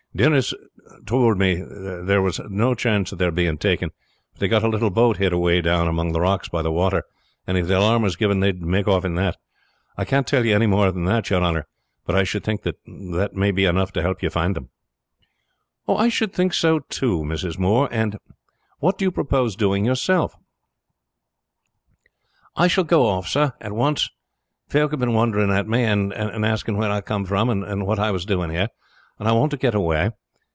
"Denis tould me there was no chance of their being taken, for they have got a little boat hid away down among the rocks by the water, and if the alarm was given they would make off in that. I can't tell you any more than that, you honor; but I should think that may be enough to help you to find them." "I should think so too, Mrs. Moore. And what do you propose doing yourself?" "I shall go off, sir, at once. Folk have been wondering at me, and asking where I came from and what I was doing here, and I want to get away.